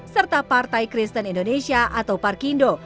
serta partai kristen indonesia atau parkindo